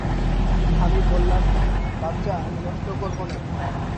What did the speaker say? আমি বললাম, বাচ্চা আমি নষ্ট করব না।